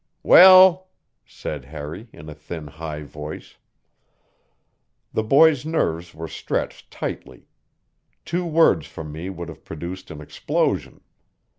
"Well?" said Harry in a thin, high voice. The boy's nerves were stretched tightly; two words from me would have produced an explosion.